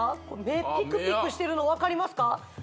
目ピクピクしてるの分かりますか？